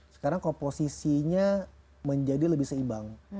sekarang komposisinya menjadi lebih seimbang